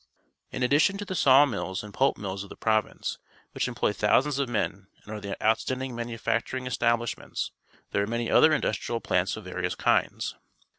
— In addition to the saw mills and pulp mills of the province, which employ thousands of men and are the outstanding manufacturing establishments, there are many other industrial plants of various kinds.